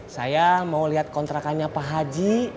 saya mau lihat kontrakannya pak haji